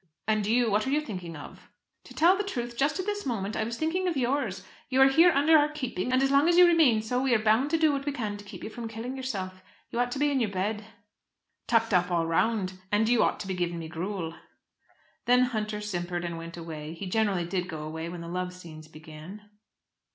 "And you, what are you thinking of?" "To tell the truth, just at this moment I was thinking of yours. You are here under our keeping, and as long as you remain so, we are bound to do what we can to keep you from killing yourself; you ought to be in your bed." "Tucked up all round, and you ought to be giving me gruel." Then Hunter simpered and went away. He generally did go away when the love scenes began.